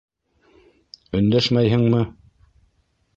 Өндәшмәйһеңме?